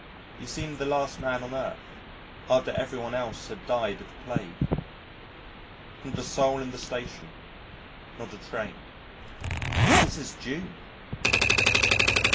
He seemed the last man on earth after every one else had died of the plague. Not a soul in the station. Not a train. And this is June!